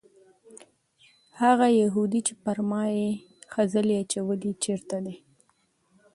هغه یهودي چې پر ما یې خځلې اچولې چېرته دی؟